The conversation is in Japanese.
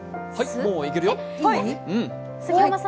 もういけるよ。